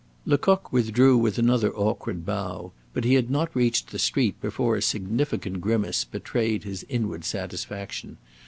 Lecoq withdrew with another awkward bow; but he had not reached the street before a significant grimace betrayed his inward satisfaction.